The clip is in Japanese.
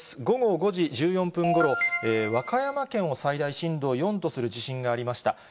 午後５時１４分ごろ、和歌山県を最大震度４とする地震がありました。